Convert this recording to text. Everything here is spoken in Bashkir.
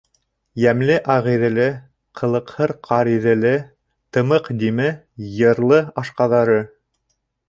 Йәмле Ағиҙеле, ҡылыҡһыр Ҡариҙеле, тымыҡ Диме, йырлы Ашҡаҙары!